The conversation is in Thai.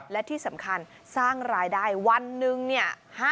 และที่สำคัญสร้างรายได้วันหนึ่งเนี่ย